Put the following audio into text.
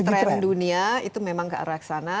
jadi tren dunia itu memang tidak raksana